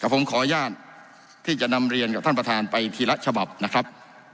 ผมขออนุญาตที่จะนำเรียนกับท่านประธานไปทีละฉบับนะครับ